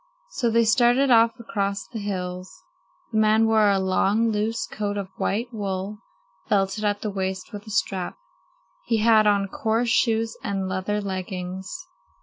So they started off across the hills. The man wore a long, loose coat of white wool, belted at the waist with a strap. He had on coarse shoes and leather leggings.